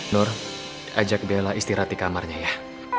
nur ajak bella istirahat di kamarnya ya